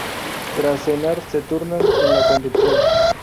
Tras cenar, se turnan en la conducción.